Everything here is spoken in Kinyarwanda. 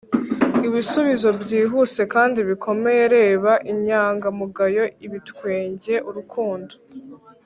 ibisubizo byihuse kandi bikomeye, reba inyangamugayo, ibitwenge, urukundo, -